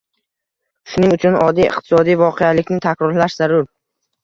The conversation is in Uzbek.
Shuning uchun oddiy iqtisodiy voqelikni takrorlash zarur